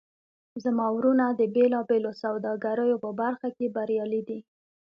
زما وروڼه د بیلابیلو سوداګریو په برخه کې بریالي دي